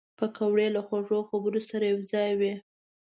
پکورې له خوږو خبرو سره یوځای وي